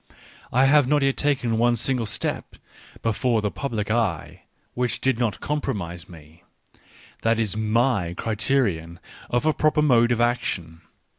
... I have not yet taken one single step before the public eye, which did not compromise me : that is my criterion of a proper mode of action.